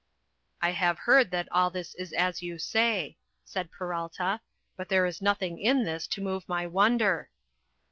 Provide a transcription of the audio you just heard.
"I have heard that all this is as you say," said Peralta; "but there is nothing in this to move my wonder."